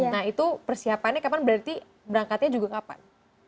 nah itu persiapannya kapan berarti berangkatnya juga kapan